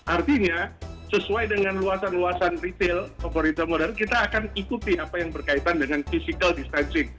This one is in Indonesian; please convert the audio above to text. artinya sesuai dengan luasan luasan retail atau retail modern kita akan ikuti apa yang berkaitan dengan physical distancing